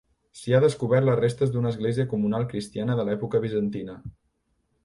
S'hi ha descobert les restes d'una església comunal cristiana de l'època bizantina.